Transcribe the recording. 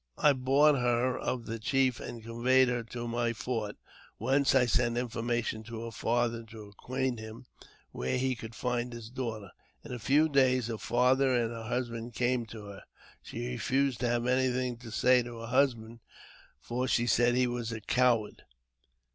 I bought her of the chief, and conveyed her to my fort, whence I sent information to her father to acquaint him where he could find his daughter. In a few days her father and her husband came to her. She refused to have anything to say to her husband, for she said he was a coward.